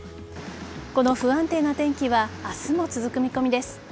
この不安定な天気は明日も続く見込みです。